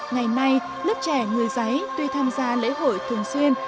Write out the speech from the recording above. ngày nay lớp trẻ người giấy tuy tham gia lễ hội thường xuyên